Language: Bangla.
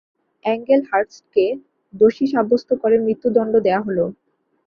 অ্যাংগেল হার্স্টকে দোষী সাব্যস্ত করে মৃত্যুদণ্ড দেয়া হল।